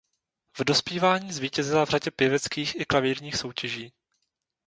V dospívání zvítězila v řadě pěveckých i klavírních soutěží.